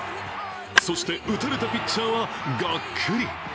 そして、打たれたピッチャーはがっくり。